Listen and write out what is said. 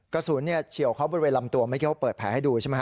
เฉียวเขาบริเวณลำตัวเมื่อกี้เขาเปิดแผลให้ดูใช่ไหมฮ